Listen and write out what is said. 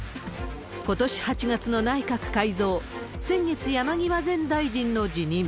ことし８月の内閣改造、先月、山際前大臣の辞任。